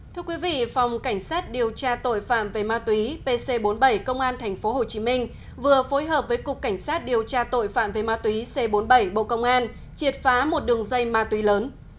thưa quý vị phòng cảnh sát điều tra tội phạm về ma túy pc bốn mươi bảy công an tp hcm vừa phối hợp với cục cảnh sát điều tra tội phạm về ma túy c bốn mươi bảy bộ công an triệt phá một đường dây ma túy lớn